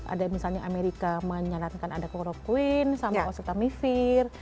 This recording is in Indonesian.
ada misalnya amerika menyarankan ada chloroquine sama oseltamivir